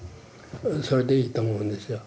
それでいいと思うんですよ